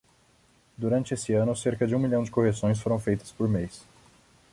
Durante esse ano, cerca de um milhão de correções foram feitas por mês.